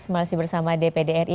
masih bersama dpd ri